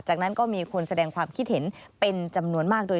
จากนั้นก็มีคนแสดงความคิดเห็นเป็นจำนวนมากโดย